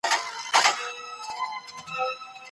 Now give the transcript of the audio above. ګلالۍ په ډېرې مینې سره د مېړه لپاره چای تیار کړ.